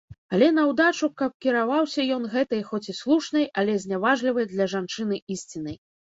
Але наўдачу, каб кіраваўся ён гэтай, хоць і слушнай, але зняважлівай для жанчыны ісцінай.